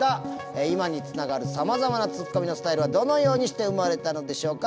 今につながるさまざまなツッコミのスタイルはどのようにして生まれたのでしょうか。